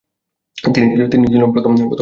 তিনিই ছিলেন প্রথম যোদ্ধা ঋষি।